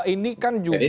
ini kan juga